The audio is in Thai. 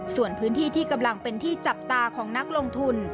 ส่วนพื้นที่ที่กำลังเป็นที่จับตาของนักลงทุน